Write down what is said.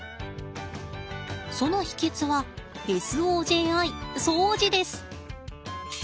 その秘けつはＳＯＪＩ掃除です！